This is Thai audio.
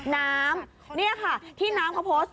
น้ำนี่ค่ะที่น้ำเขาโพสต์